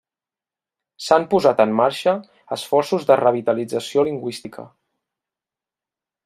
S'han posat en marxa esforços de revitalització lingüística.